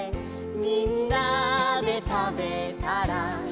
「みんなでたべたら」